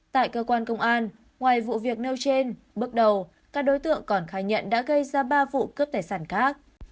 tại cơ quan công an ngoài vụ việc nêu trên bước đầu các đối tượng còn khai nhận đã gây ra ba vụ cướp tài sản khác